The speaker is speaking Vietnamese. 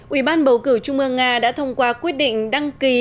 ubicezk đã thông qua quyết định đăng ký